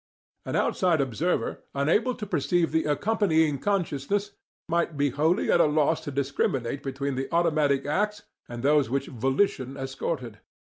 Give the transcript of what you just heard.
"An outside observer, unable to perceive the accompanying consciousness, might be wholly at a loss to discriminate between the automatic acts and those which volition escorted.